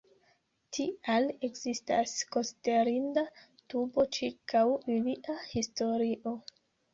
Tial ekzistas konsiderinda dubo ĉirkaŭ ilia historio.